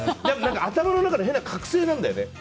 頭の中で、変な覚醒なんだよね。